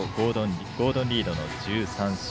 ゴードン・リードの１３勝。